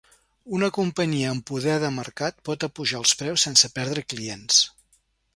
Una companyia amb poder de mercat pot apujar els preus sense perdre clients.